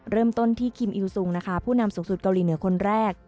เริ่มต้นที่คิมอิวซุงนะคะผู้นำสูงสุดเกาหลีเหนือคนแรก